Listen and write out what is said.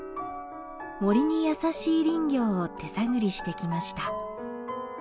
森に優しい林業を手探りしてきました。